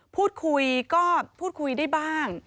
พูดคุยก็พูดคุยได้บ้าง